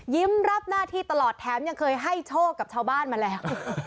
รับหน้าที่ตลอดแถมยังเคยให้โชคกับชาวบ้านมาแล้ว